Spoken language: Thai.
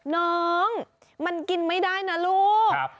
น้องมันกินไม่ได้นะลูก